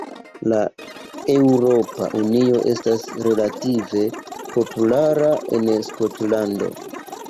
La Eŭropa Unio estas relative populara en Skotlando.